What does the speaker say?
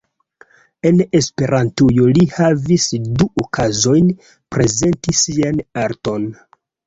En Esperantujo li havis du okazojn prezenti sian arton.